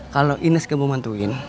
kalau ines kebobontuin